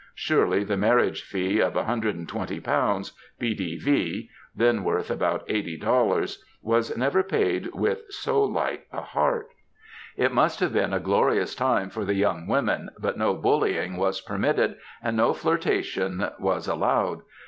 Surely the marriage fee of 120 lbs. "B.D.V.,'' then worth about 80 dollars, was never paid with so light a heart ! It must have been a glorious time for the young women, but no bullying was permitted, and no flirtation was allowed.